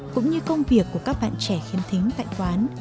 cũng như công việc của các bạn trẻ khiêm thính tại quán